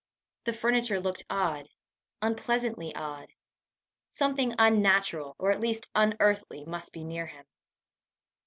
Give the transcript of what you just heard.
The furniture looked odd unpleasantly odd. Something unnatural, or at least unearthly, must be near him!